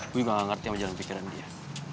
gua juga gak ngerti sama jalan pikiran dia